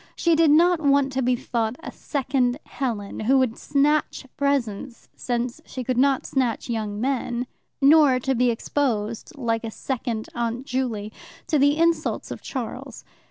She did not want to be thought a second Helen, who would snatch presents since she could not snatch young men, nor to be exposed, like a second Aunt Juley, to the insults of Charles.